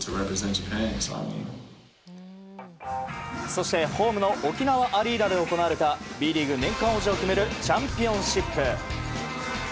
そしてホームの沖縄アリーナで行われたＢリーグ年間王者を決めるチャンピオンシップ。